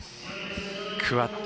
クアッド